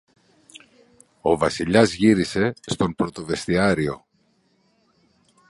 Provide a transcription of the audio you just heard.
Ο Βασιλιάς γύρισε στον πρωτοβεστιάριο.